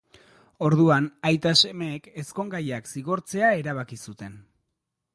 Orduan, aita-semeek ezkongaiak zigortzea erabaki zuten.